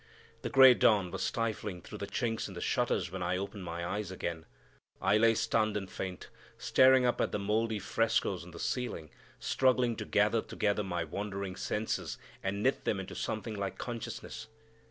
The gray dawn was sifting through the chinks in the shutters when I opened my eyes again. I lay stunned and faint, staring up at the mouldy frescoes on the ceiling, struggling to gather together my wandering senses and knit them into something like consciousness.